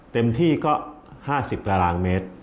เต็มที่ก็๕๐ตารางเมตร